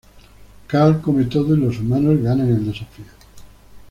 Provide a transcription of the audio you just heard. Carl come todo y los humanos ganan el desafío.